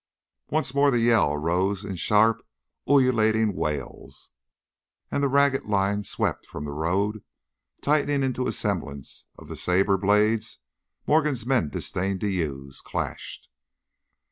Once more the Yell arose in sharp ululating wails, and the ragged line swept from the road, tightening into a semblance of the saber blades Morgan's men disdained to use ... clashed....